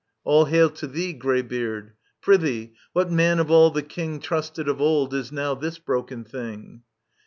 All hail to thee. Greybeard !— Prithee, what man of all the King Trusted of old, is now this brokeit thing